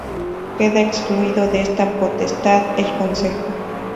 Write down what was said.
Queda excluido de esta potestad el Consejo.